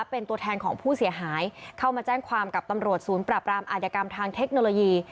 เป็นตัวแทนของผู้เสียหายเข้ามาแจ้งความกับตำรวจศูนย์ปราบรามอาธิกรรมทางเทคโนโลยี